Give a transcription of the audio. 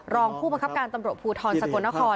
รองผู้บังคับการตำรวจภูทรสกลนคร